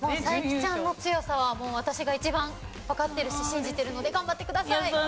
才木ちゃんの強さは私が一番わかってるし信じてるので頑張ってください。